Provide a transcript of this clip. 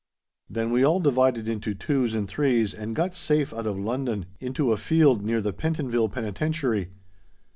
Then we all divided into twos and threes, and got safe out of London, into a field near the Pentonville Penitentiary.